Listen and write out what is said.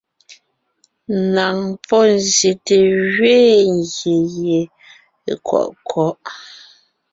Ŋaŋ pɔ́ zsyète gẅiin gyè gie kwɔʼ kwɔ̌'.